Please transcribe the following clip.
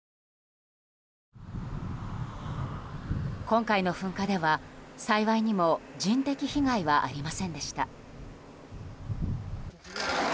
今回の噴火では幸いにも人的被害はありませんでした。